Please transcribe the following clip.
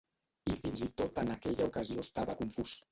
I fins-i-tot en aquella ocasió estava confús.